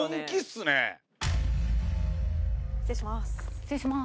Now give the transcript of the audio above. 失礼します。